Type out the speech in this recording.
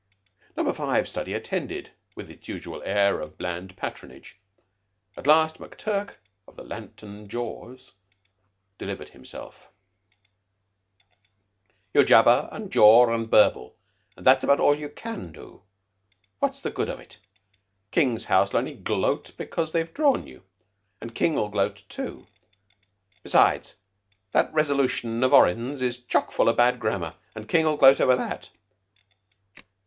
Number Five study attended, with its usual air of bland patronage. At last McTurk, of the lanthorn jaws, delivered himself: "You jabber and jaw and burble, and that's about all you can do. What's the good of it? King's house'll only gloat because they've drawn you, and King will gloat, too. Besides, that resolution of Orrin's is chock full of bad grammar, and King'll gloat over that."